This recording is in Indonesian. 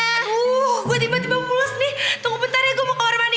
aduh gue tiba tiba mulus nih tunggu bentar ya gue mau ke kamar mandi